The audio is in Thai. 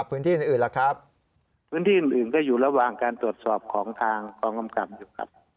พื้นที่อื่นล่ะครับพื้นที่อื่นอื่นก็อยู่ระหว่างการตรวจสอบของทางกองกำกับอยู่ครับ